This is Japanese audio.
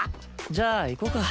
じゃあ行こうか。